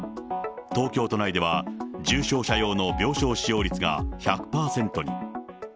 東京都内では、重症者用の病床使用率が１００％に。